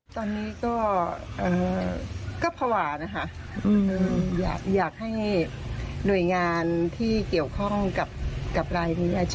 ตอนนี้ก็ภาวะนะคะอยากให้หน่วยงานที่เกี่ยวข้องกับรายนี้